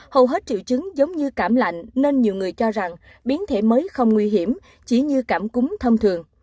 hầu hết triệu chứng giống như cảm lạnh nên nhiều người cho rằng biến thể mới không nguy hiểm chỉ như cảm cúm thông thường